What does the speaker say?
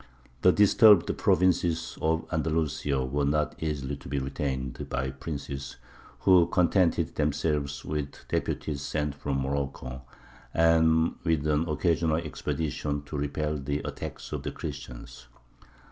The disturbed provinces of Andalusia were not easily to be retained by princes who contented themselves with deputies sent from Morocco, and with an occasional expedition to repel the attacks of the Christians.